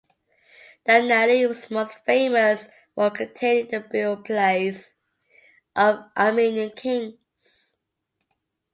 Daranali is most famous for containing the burial-place of Armenian Kings.